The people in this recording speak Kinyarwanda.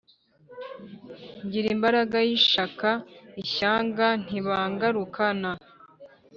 Ngira imbaraga y'ishyaka, ishyanga ntibangarukana,